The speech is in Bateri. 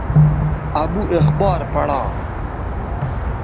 ابو اخبار پڑا